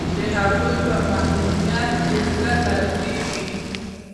د هغوی په محرومیت دې زړه دردیږي